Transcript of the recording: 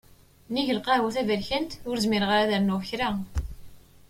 Nnig lqahwa taberkant, ur zmireɣ ad rnuɣ kra.